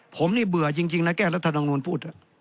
ผมนี่เบื่อจริงนะแก้รัฐธรรมนูลพูด